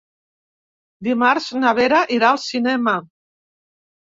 Dimarts na Vera irà al cinema.